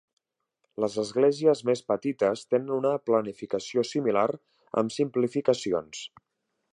Les esglésies més petites tenen una planificació similar, amb simplificacions.